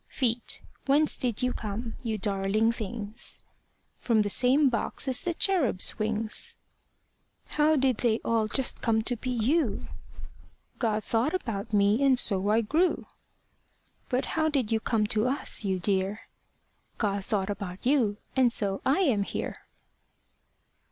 Feet, whence did you come, you darling things? From the same box as the cherubs' wings. How did they all just come to be you? God thought about me, and so I grew. But how did you come to us, you dear? God thought about you, and so I am here.